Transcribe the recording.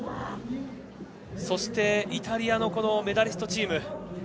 そしてイタリアのメダリストチーム。